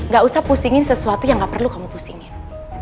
gak usah pusingin sesuatu yang gak perlu kamu pusingin